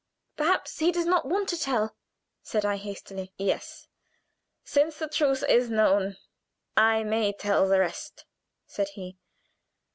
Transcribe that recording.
"Perhaps he does not want to tell," said I, hastily. "Yes; since the truth is known, I may tell the rest," said he.